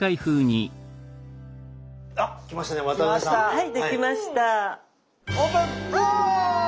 はい出来ました！